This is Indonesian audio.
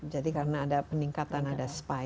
jadi karena ada peningkatan yang besar